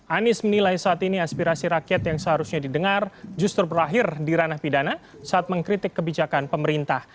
anies menilai saat ini aspirasi rakyat yang seharusnya didengar justru berakhir di ranah pidana saat mengkritik kebijakan pemerintah